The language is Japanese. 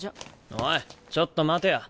おいちょっと待てや。